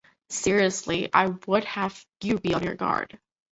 Seriously, I would have you be on your guard.